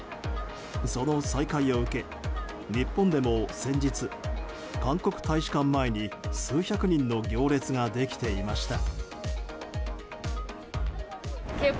その再開を受け日本でも先日韓国大使館前に数百人の行列ができていました。